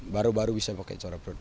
baru baru bisa pakai suara perut